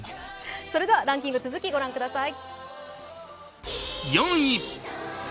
それではランキング、続きご覧ください。